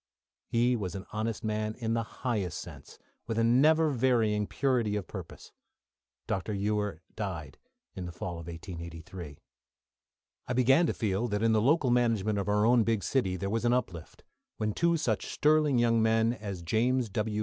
He was an honest man in the highest sense, with a never varying purity of purpose. Dr. Ewer died in the fall of 1883. I began to feel that in the local management of our own big city there was an uplift, when two such sterling young men as James W.